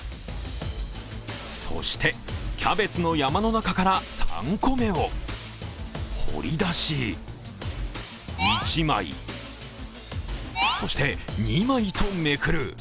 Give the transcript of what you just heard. そして、キャベツの山の中から３個目を掘り出し１枚、そして２枚とめくる。